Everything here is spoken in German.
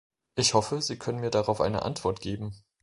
Ich hoffe, Sie können mir darauf eine Antwort geben.